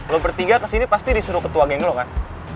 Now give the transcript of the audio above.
lo bertiga kesini pasti disuruh ketua geng lo kan